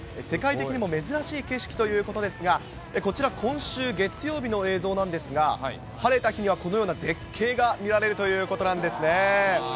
世界的にも珍しい景色ということですが、こちら、今週月曜日の映像なんですが、晴れた日には、このような絶景が見られるということなんですね。